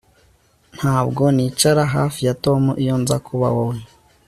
Ntabwo nicara hafi ya Tom iyo nza kuba wowe